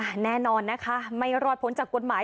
แน่นอนนะคะไม่รอดผลจากกฎหมาย